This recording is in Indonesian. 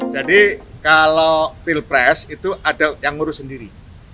jadi kalau pilpres itu ada yang ngurus sendiri